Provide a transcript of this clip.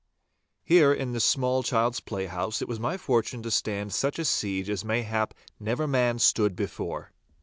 Here in this small child's playhouse it was my fortune to stand such a siege as mayhap never man stood before.